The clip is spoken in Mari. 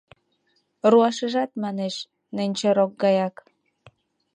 — Руашыжат, манеш, ненче рок гаяк.